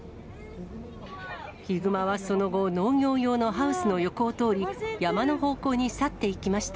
ヒグマはその後、農業用のハウスの横を通り、山の方向に去っていきました。